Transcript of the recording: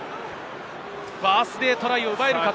バースデートライを奪えるか？